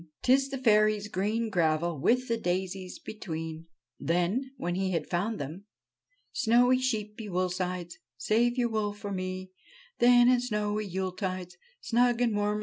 *Tis the fairies green gravel With the daisies between' Then, when he had found them :' Snowy sheepie woolsides, Save your wool for me; Then in snowy yuletides Snug and warm /'// be?